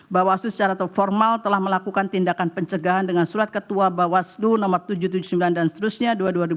bawaslu secara formal telah melakukan tindakan pencegahan dengan surat ketua bawaslu no tujuh ratus tujuh puluh sembilan dan seterusnya